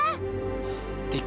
kak abdul kak